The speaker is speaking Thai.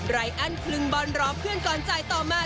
รอั้นคลึงบอลรอเพื่อนก่อนจ่ายต่อมา